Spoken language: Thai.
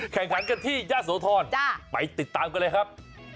แข่งขันกันที่ยะโสธรไปติดตามกันเลยครับ